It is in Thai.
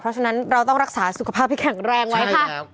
เพราะฉะนั้นเราต้องรักษาสุขภาพให้แข็งแรงไว้ค่ะ